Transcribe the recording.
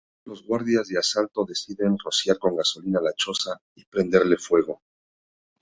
Los Guardias de Asalto deciden rociar con gasolina la choza y prenderle fuego.